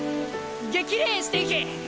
激励していけ！